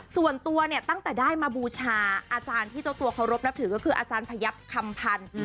ส่วนตัวเนี่ยตั้งแต่ได้มาบูชาอาจารย์ที่เจ้าตัวเคารพนับถือก็คืออาจารย์พยับคำพันธ์